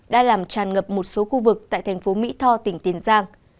đã làm tràn ngập một số khu vực tại thành phố mỹ tho tỉnh tiền giang